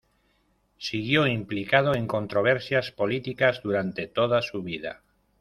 Siguió implicado en controversias políticas durante toda su vida.